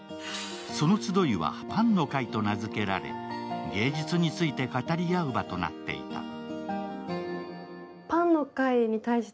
その集いはパンの会と名付けられ芸術について語り合う場となっていた。